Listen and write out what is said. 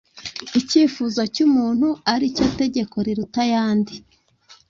icyifuzo cy’umuntu ari cyo tegeko riruta ayandi,